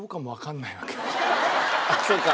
そうか。